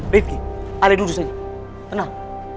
rifki ale duduk saja tenang